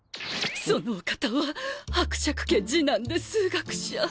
そのお方は伯爵家次男で数学者。